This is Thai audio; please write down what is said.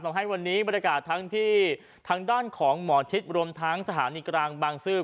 ทำให้วันนี้บรรยากาศทั้งที่ทางด้านของหมอชิดรวมทั้งสถานีกลางบางซื่อ